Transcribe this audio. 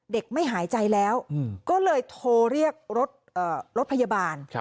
ไม่หายใจแล้วก็เลยโทรเรียกรถพยาบาล